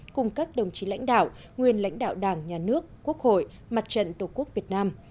cùng các đồng chí lãnh đạo nguyên lãnh đạo đảng nhà nước quốc hội mặt trận tổ quốc việt nam